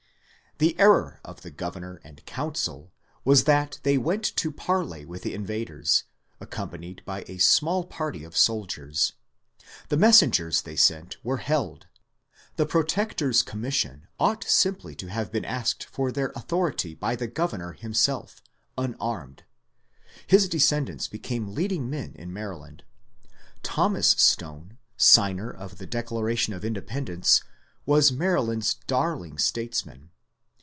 The error of the governor and council was that they went to parley with the invaders, accompanied by a smaU party of soldiers. The messengers they sent were held. The Pro tector's commission ought simply to have been asked for their authority by the governor himself, unarmed. His de scendants became leading men in Maryland. Thomas Stone, signer of the Declaration of Independence, was Maryland's darling statesman.